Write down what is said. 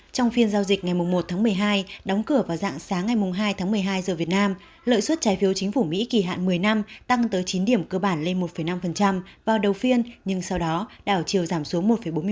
trong phiên giao dịch ngày một tháng một mươi hai đóng cửa vào dạng sáng ngày hai tháng một mươi hai giờ việt nam lợi suất trái phiếu chính phủ mỹ kỳ hạn một mươi năm tăng tới chín điểm cơ bản lên một năm vào đầu phiên nhưng sau đó đảo chiều giảm xuống một bốn mươi năm